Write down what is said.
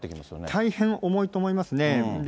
大変重いと思いますね。